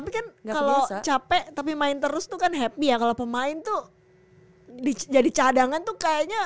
tapi kan kalau capek tapi main terus tuh kan happy ya kalau pemain tuh jadi cadangan tuh kayaknya